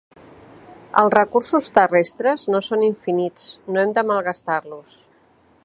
Els recursos terrestres no són infinits, no hem de malgastar-los.